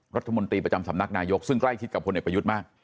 รัฐมนตรีประจำสำนักนายกซึ่งใกล้ชิดกับพลเอกประยุทธ์มาก